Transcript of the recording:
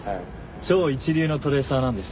超一流のトレーサーなんです。